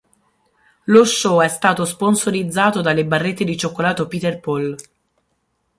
Lo show è stato sponsorizzato dalle barrette di cioccolato Peter Paul.